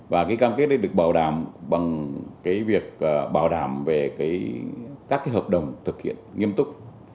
và cái cam kết đấy được bảo đảm bằng việc bảo đảm về các hợp đồng thực hiện nghiêm túc